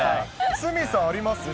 鷲見さん、あります？